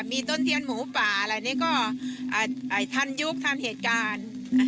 มีต้นเทียนหมูป่าอะไรนี่ก็ทันยุคทันเหตุการณ์